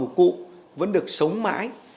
của cụ vẫn được sống mãi